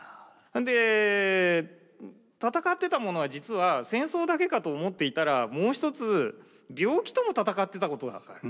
で戦ってたものは実は戦争だけかと思っていたらもう一つ病気とも戦ってたことが分かる。